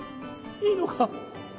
いいのか？